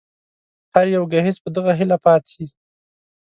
هر يو ګهيځ په دغه هيله پاڅي